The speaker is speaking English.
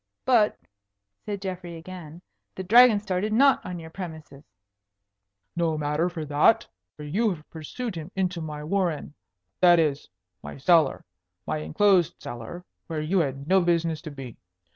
"But," said Geoffrey again, "the Dragon started not on your premises." "No matter for that; for you have pursued him into my warren, that is, my cellar, my enclosed cellar, where you had no business to be.